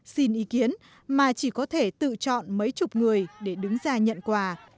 xin ý kiến mà chỉ có thể tự chọn mấy chục người để đứng ra nhận quà